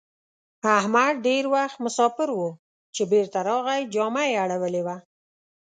احمد ډېر وخت مساپر وو؛ چې بېرته راغی جامه يې اړولې وه.